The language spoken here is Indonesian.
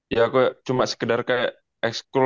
ya aku cuma sekedar kayak